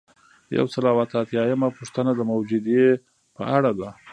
یو سل او اته اتیایمه پوښتنه د موجودیې په اړه ده.